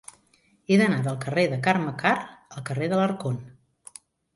He d'anar del carrer de Carme Karr al carrer d'Alarcón.